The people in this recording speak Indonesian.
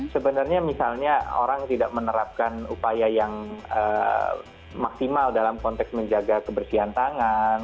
sebenarnya misalnya orang tidak menerapkan upaya yang maksimal dalam konteks menjaga kebersihan tangan